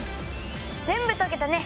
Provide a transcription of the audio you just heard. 全部とけたね。